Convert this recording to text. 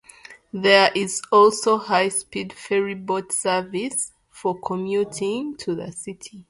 There is also high-speed ferry boat service for commuting to the city.